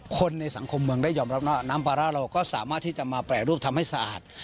คนในสังคมเมืองได้ยอมรับว่าน้ำปลาร่าเราก็สามารถที่จะมาแปรรูปทำให้สะอาด